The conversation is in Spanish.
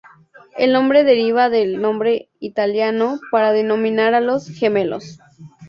El nombre deriva del nombre italiano para denominar a los "gemelos".